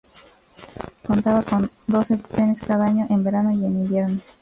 Contaba con dos ediciones cada año, en verano y en invierno.